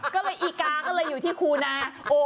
ก็เลยอีกาก็เลยอยู่ที่คูนา